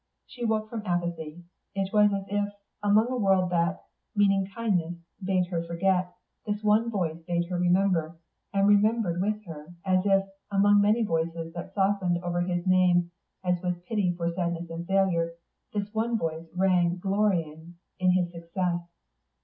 She woke from apathy. It was as if, among a world that, meaning kindness, bade her forget, this one voice bade her remember, and remembered with her; as if, among many voices that softened over his name as with pity for sadness and failure, this one voice rang glorying in his success.